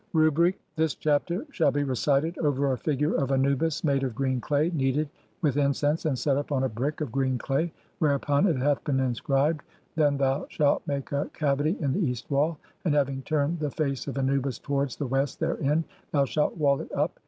(44) Rubric : this chapter shall be recited over [a figure of] anubis MADE OF GREEN CLAY KNEADED (?) WITH INCENSE AND SET UP ON A BRICK OF GREEN CLAY WHEREUPON IT HATH BEEN INSCRIBED. ( 4 5) THEN THOU SHALT MAKE A CAVITY IN THE EAST WALL, AND HAVING [TURNED] THE FACE OF ANUBIS TOWARDS THE WEST [THEREIN], THOU SHALT WALL IT UP.